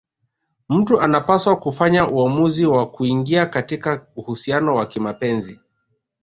Mtu anapaswa kufanya uamuzi wa kuingia katika uhusiano wa kimapenzi